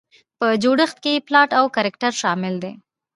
په جوړښت کې یې پلاټ او کرکټر شامل دي.